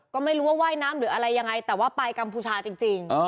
ก็ไม่รู้ว่าว่ายน้ำหรืออะไรยังไงแต่ว่าไปกัมพูชาจริง